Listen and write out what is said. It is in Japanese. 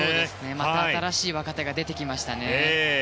また新しい若手が出てきましたね。